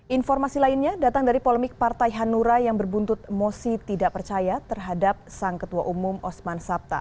informasi lainnya datang dari polemik partai hanura yang berbuntut mosi tidak percaya terhadap sang ketua umum osman sabta